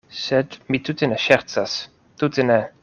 Sed mi tute ne ŝercas, tute ne.